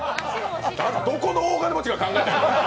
どこの大金持ちが考えたんや！